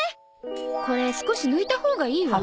これ少し抜いたほうがいいわ。